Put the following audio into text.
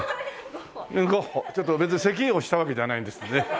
ちょっと別にせきをしたわけじゃないんですね。